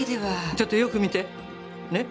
ちょっとよく見て。ね。